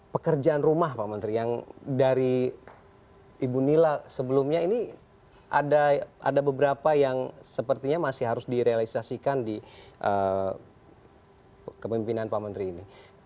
pekerjaan rumah pak menteri yang dari ibu nila sebelumnya ini ada beberapa yang sepertinya masih harus direalisasikan di kepemimpinan pak menteri ini